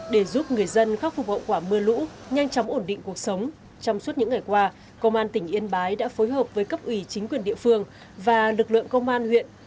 để giúp người dân khắc phục hậu quả mưa lũ nhanh chóng ổn định cuộc sống trong suốt những ngày qua công an tỉnh yên bái đã phối hợp với cấp ủy chính quyền địa phương và lực lượng công an huyện